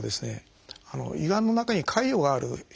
胃がんの中に潰瘍がある方がいるんですね。